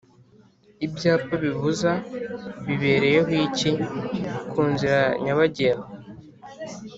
Ibyapa bibuza bibereyeho iki kunzira nyabagendwa